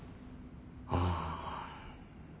ああ。